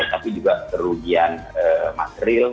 tapi juga kerugian material